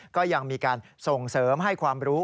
ก็ยังมีการส่งเสริมให้ความรู้